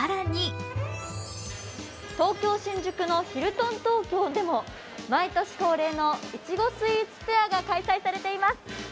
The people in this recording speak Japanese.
東京・新宿のヒルトン東京でも毎年恒例のいちごスイーツフェアが開催されています。